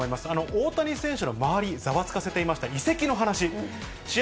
大谷選手の周り、ざわつかせていました移籍の話、試合